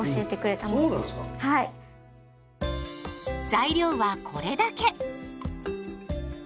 材料はこれだけ。